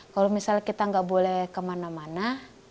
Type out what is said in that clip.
kalau misalnya kita nggak boleh kemana mana